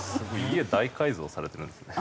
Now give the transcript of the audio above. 家大改造されてるんですね。